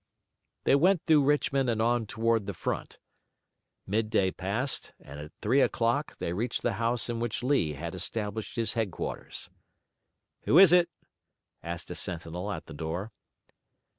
They went through Richmond and on toward the front. Midday passed, and at three o'clock they reached the house in which Lee had established his headquarters. "Who is it?" asked a sentinel at the door.